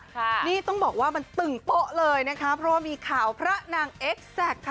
นี่ต้องบอกว่ามันตึงโป๊ะเลยนะคะเพราะว่ามีข่าวพระนางเอ็กแซคค่ะ